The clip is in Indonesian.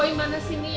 andain ke kamarnya